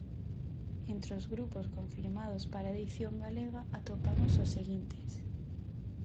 Entre os grupos confirmados para a edición galega atopamos os seguintes.